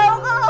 aku pengen bayi